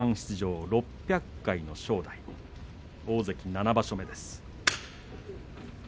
通算出場６００回の正代大関７場所目です。